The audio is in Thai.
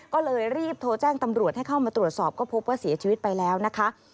ก็เลยรีบโทรแจ้งตำรวจให้เข้ามาตรวจสอบก็พบว่าเสียชีวิตไปแล้วนะคะ